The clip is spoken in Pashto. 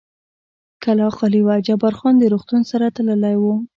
کلا خالي وه، جبار خان د روغتون سره تللی و.